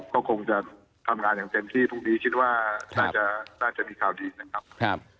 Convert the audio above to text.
ก็คงจะทำงานอย่างเต็มที่พรุ่งนี้คิดว่าน่าจะมีข่าวดีนะครับ